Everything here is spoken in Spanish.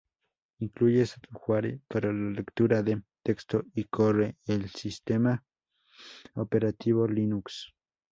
Incluye software para la lectura de texto y corre el sistema operativo Linux.